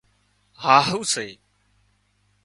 هاهو سي